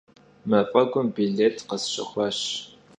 Maf'egum bilêt khesşexuaş.